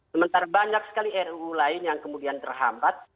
sementara banyak sekali ruu lain yang kemudian terhambat